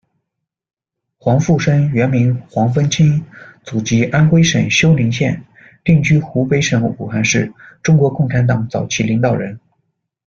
黄负生，原名黄风清，祖籍安徽省休宁县，定居湖北省武汉市，中国共产党早期领导人。